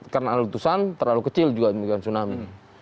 karena letusan terlalu kecil juga menyebabkan tsunami